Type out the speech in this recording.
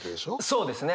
そうですね。